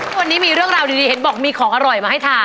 วันนี้มีเรื่องราวดีเห็นบอกมีของอร่อยมาให้ทาน